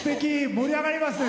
盛り上がりますね。